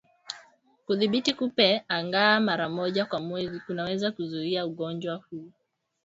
Kudhibiti kupe angaa mara moja kwa mwezi kunaweza kuzuia ugonjwa huu